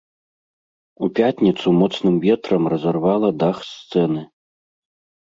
У пятніцу моцным ветрам разарвала дах сцэны.